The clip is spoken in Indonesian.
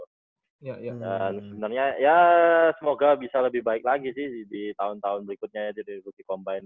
dan sebenernya ya semoga bisa lebih baik lagi sih di tahun tahun berikutnya ya di rookie combine